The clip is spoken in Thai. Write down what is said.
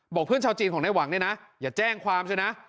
เพื่อนชาวจีนของในหวังเนี่ยนะอย่าแจ้งความใช่ไหม